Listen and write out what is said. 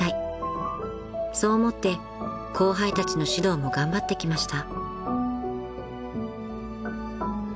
［そう思って後輩たちの指導も頑張ってきました］